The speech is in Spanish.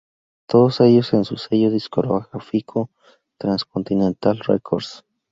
Todos ellos en su sello discográfico TransContinental Records.